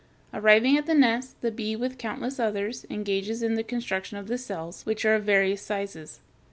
Arriving at the nest, the bee, with countless others, engages in the construction of the cells, which are of various sizes.